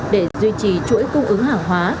để duy trì chuỗi cung ứng hàng hóa